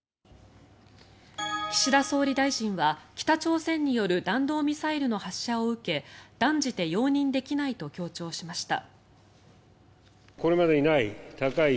岸田総理大臣は北朝鮮による弾道ミサイルの発射を受け断じて容認できないと強調しました。